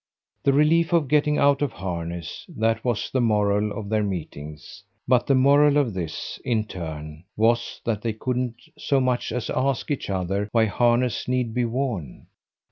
The relief of getting out of harness that was the moral of their meetings; but the moral of this, in turn, was that they couldn't so much as ask each other why harness need be worn.